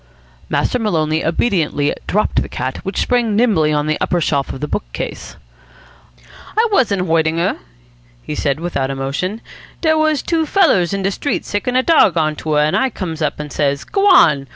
Master Maloney obediently dropped the cat, which sprang nimbly on to an upper shelf of the book case. "I wasn't hoitin' her," he said, without emotion. "Dere was two fellers in de street sickin' a dawg on to her. An' I comes up an' says, 'G'wan!